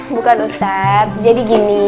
bukan ustaz jadi gini